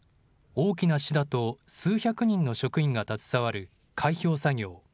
大きな市だと数百人の職員が携わる開票作業。